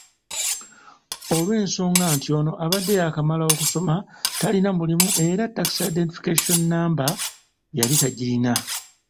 Olw'ensonga nti ono abadde yaakamala okusoma talina mulimu era Tax Identification Namba yali tagirina.